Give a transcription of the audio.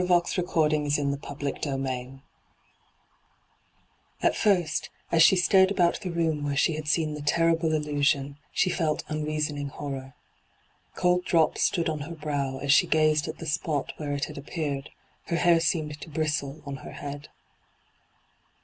hyGoogIc CHAPTER X At first, as she stared about the room where she had seen the terrible illusion, she felt unreasoniag horror. Cold drops stood on her brow as she gazed at the spot where it had appeared ; her hair seemed to bristle on her head.